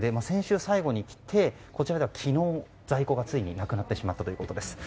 先週を最後にこちらでは昨日在庫がついになくなってしまったということです。